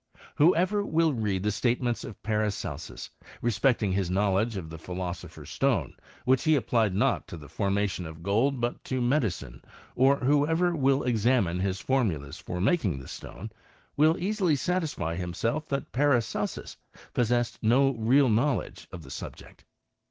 Whoever will read the statements of Paracelsus, respecting his knowledge of the philosopher's stone, which he applied not to the formation of gold but to medicine, or whoever will examine his formulas for making the stone, will easil] satisfy himself that Paracelsus possessed no real know ledge on the subject.